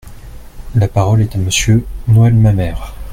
La parole est à Monsieur Noël Mamère.